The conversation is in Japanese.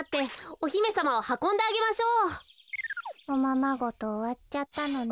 おままごとおわっちゃったのね。